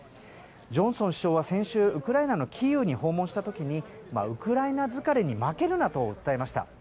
ジョンソン首相は先週ウクライナのキーウに訪問した時ウクライナ疲れに負けるなと訴えました。